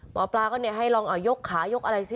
หมอปลาก็เนี่ยให้ลองเอายกขายกอะไรซะ